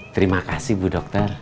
terima kasih bu dokter